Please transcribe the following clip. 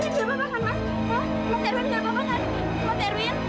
tidak ada wajah tidak ada wajah